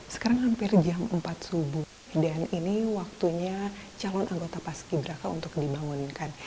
sekarang hampir jam empat subuh dan ini waktunya calon anggota paski beraka untuk dibangunkan